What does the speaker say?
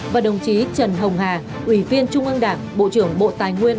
và đồng chí trần hồng hà ủy viên trung ương đảng bộ trưởng bộ tài nguyên